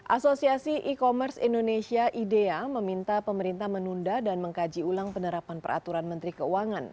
asosiasi e commerce indonesia idea meminta pemerintah menunda dan mengkaji ulang penerapan peraturan menteri keuangan